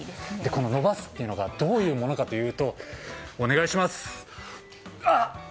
この伸ばすというのがどういうものかというとお願いします。